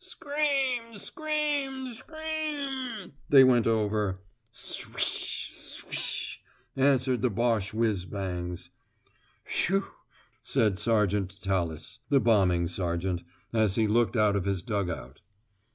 "Scream, scream, scream" they went over. "Swish swish" answered the Boche whizz bangs. "Phew," said Sergeant Tallis, the bombing sergeant, as he looked out of his dug out.